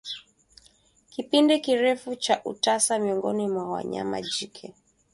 Kipindi kirefu cha utasa miongoni mwa wanyama jike